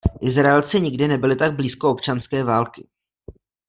Izraelci nikdy nebyli tak blízko občanské války.